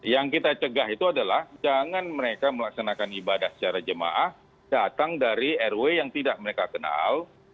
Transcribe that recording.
yang kita cegah itu adalah jangan mereka melaksanakan ibadah secara jemaah datang dari rw yang tidak mereka kenal